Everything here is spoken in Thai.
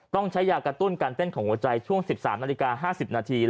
ต้องใช้ยากระตุ้นการเต้นของหัวใจช่วง๑๓นาฬิกา๕๐นาที